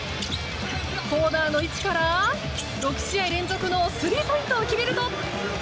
コーナーの位置から６試合連続のスリーポイントを決めると。